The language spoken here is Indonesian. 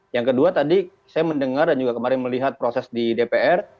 yang kedua tadi saya mendengar dan juga kemarin melihat proses di dpr